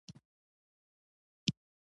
کاذبه او نمایشي دینداري وه ځنې ځورېده.